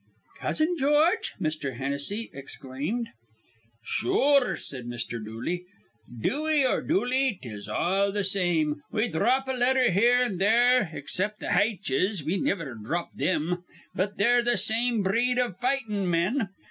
"Cousin George?" Mr. Hennessy exclaimed. "Sure," said Mr. Dooley. "Dewey or Dooley, 'tis all th' same. We dhrop a letter here an' there, except th' haitches, we niver dhrop thim, but we're th' same breed iv fightin' men.